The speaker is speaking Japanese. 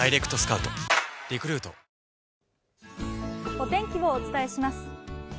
お天気を伝えします。